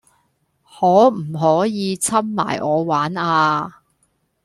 可唔可以摻埋我玩呀?